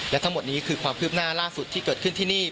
และทั้งหมดนี้คือความคืบหน้าล่าสุดที่เกิดขึ้นที่นี่